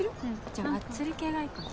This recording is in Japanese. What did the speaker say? じゃあガッツリ系がいいかな。